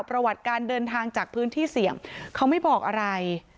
ประวัติการเดินทางจากพื้นที่เสี่ยงเขาไม่บอกอะไร